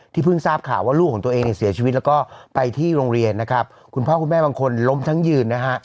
เพิ่งทราบข่าวว่าลูกของตัวเองเนี่ยเสียชีวิตแล้วก็ไปที่โรงเรียนนะครับคุณพ่อคุณแม่บางคนล้มทั้งยืนนะฮะ